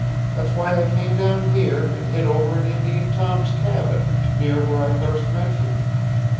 That's why I came down here, and hid over in Indian Tom's cabin near where I first met you.